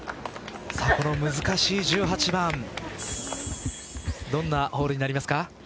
難しいこの１８番どんなホールになりますか。